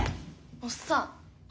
おっさん頭